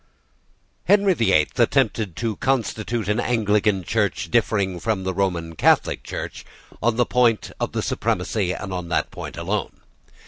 Henry the Eighth attempted to constitute an Anglican Church differing from the Roman Catholic Church on the point of the supremacy, and on that point alone.